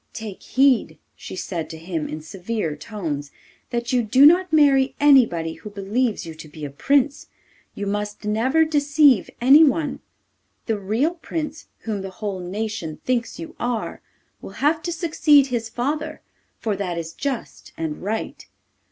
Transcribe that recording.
'Take heed,' she said to him in severe tones, 'that you do not marry anybody who believes you to be a Prince. You must never deceive anyone. The real Prince, whom the whole nation thinks you are, will have to succeed his father, for that is just and right.